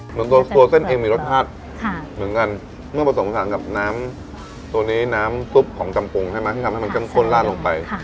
เหมือนตัวเส้นเองมีรสชาติเหมือนกันเมื่อผสมผสมกับน้ำซุปของจำปรุงที่ทำให้มันกล้มข้นลาดลงไป